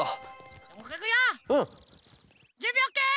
じゅんびオッケー？